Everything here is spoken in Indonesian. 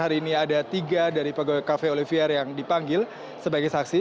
hari ini ada tiga dari pegawai cafe olivier yang dipanggil sebagai saksi